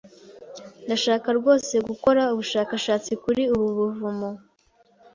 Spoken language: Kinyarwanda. Ndashaka rwose gukora ubushakashatsi kuri ubu buvumo.